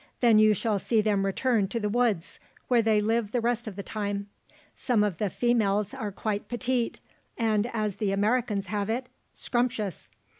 Then you shall see them return to the woods, where they live the rest of the time. Some of the females are quite petite and, as the Americans have it, 'scrumptious.'